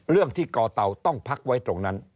เรื่องที่ก่อเตาต้องพักไว้ตรงนั้น